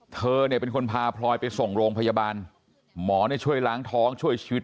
เธอเนี่ยเป็นคนพาพลอยไปส่งโรงพยาบาลหมอช่วยล้างท้องช่วยชีวิต